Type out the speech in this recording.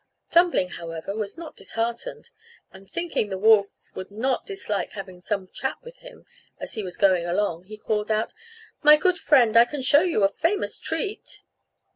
Thumbling, however, was not disheartened; and thinking the wolf would not dislike having some chat with him as he was going along, he called out, "My good friend, I can show you a famous treat."